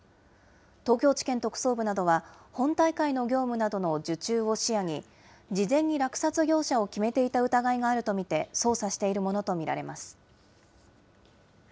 東京地検特捜部などは本大会の業務などの受注を視野に、事前に落札業者を決めていた疑いがあると見て、捜査しているものと見られます。